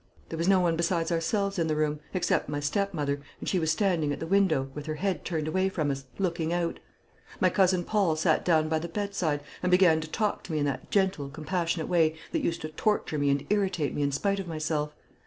There was no one besides ourselves in the room, except my stepmother, and she was standing at the window, with her head turned away from us, looking out. My cousin Paul sat down by the bedside, and began to talk to me in that gentle, compassionate way that used to torture me and irritate me in spite of myself.